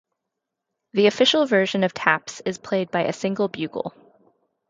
The official version of 'Taps' is played by a single bugle.